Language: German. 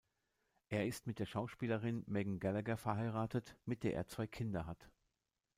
Er ist mit der Schauspielerin Megan Gallagher verheiratet, mit der er zwei Kinder hat.